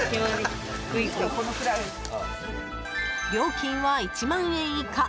料金は１万円以下。